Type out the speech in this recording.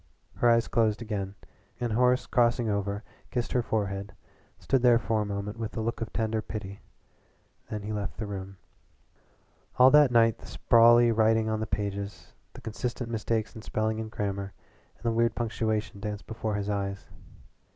Her eyes closed again and Horace crossing over kissed her forehead stood there for a moment with a look of tender pity. Then he left the room. All that night the sprawly writing on the pages, the constant mistakes in spelling and grammar, and the weird punctuation danced before his eyes.